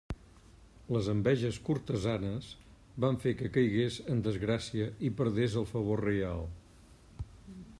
Les enveges cortesanes van fer que caigués en desgràcia i perdés el favor reial.